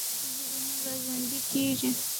زړونه راژوندي کېږي.